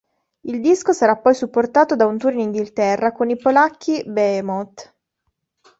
Il disco sarà poi supportato da un tour in Inghilterra con i polacchi Behemoth.